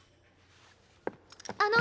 あの！